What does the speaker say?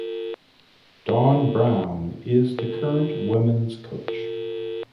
Dawn Brown is the current women's coach.